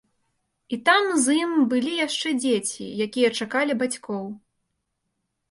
І там з ім былі яшчэ дзеці, якія чакалі бацькоў.